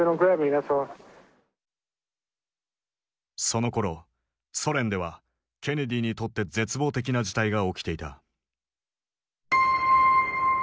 そのころソ連ではケネディにとって絶望的な事態が起きていた。